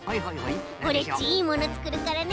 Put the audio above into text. オレっちいいものつくるからね。